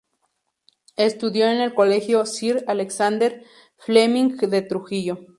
Estudió en el Colegio Sir Alexander Fleming de Trujillo.